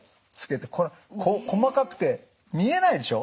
細かくて見えないでしょ？